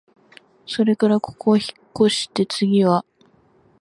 それからここをひっこして、つぎは、